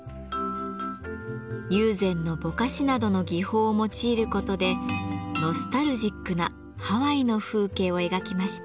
友禅の「ぼかし」などの技法を用いることでノスタルジックなハワイの風景を描きました。